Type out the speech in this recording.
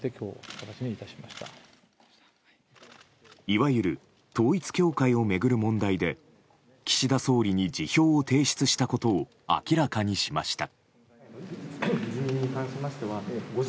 いわゆる統一教会を巡る問題で岸田総理に辞表を提出したことを明らかにしました。